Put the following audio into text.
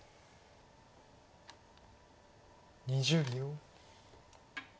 ２０秒。